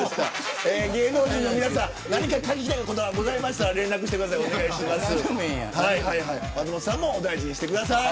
芸能人の皆さん、何か書きたいことがございましたら連絡してください。